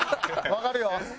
わかるよ。